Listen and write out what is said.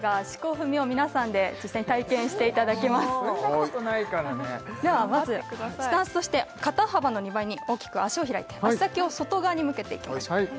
踏んだことないからねではまずスタンスとして肩幅の２倍に大きく足を開いて足先を外側に向けていきましょう